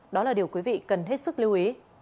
đó là điều quý vị cần hết sức lưu ý